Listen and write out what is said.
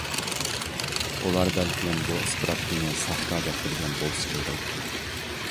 ئۇلار بەلكىم بۇ ئىسپىراپكىنى ساختا دەپ بىلگەن بولسا كېرەك.